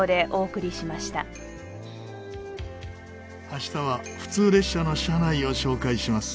明日は普通列車の車内を紹介します。